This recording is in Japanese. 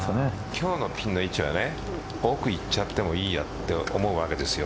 今日のピンの位置は奥にいっちゃってもいいやと思うわけですよ。